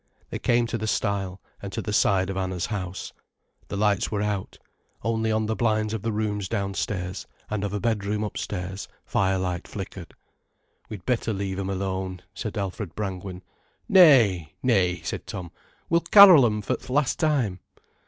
They came to the stile, and to the side of Anna's house. The lights were out, only on the blinds of the rooms downstairs, and of a bedroom upstairs, firelight flickered. "We'd better leave 'em alone," said Alfred Brangwen. "Nay, nay," said Tom. "We'll carol 'em, for th' last time."